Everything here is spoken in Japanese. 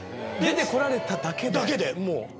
出て来られただけで？だけでもう。